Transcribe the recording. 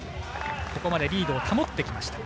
ここまでリードを保ってきました。